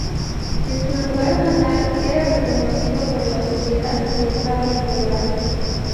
En su lugar natal era reconocido por la sociedad y estaba integrado.